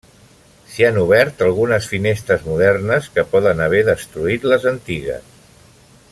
S'hi han obert algunes finestres modernes que poden haver destruït les antigues.